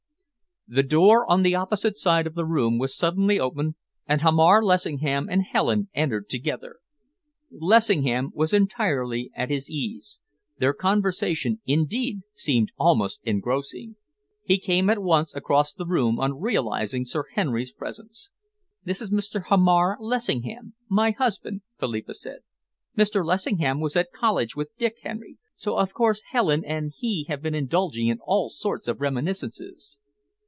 The door on the opposite side of the room was suddenly opened, and Hamar Lessingham and Helen entered together. Lessingham was entirely at his ease, their conversation, indeed, seemed almost engrossing. He came at once across the room on realising Sir Henry's presence. "This is Mr. Hamar Lessingham my husband," Philippa said. "Mr. Lessingham was at college with Dick, Henry, so of course Helen and he have been indulging in all sorts of reminiscences."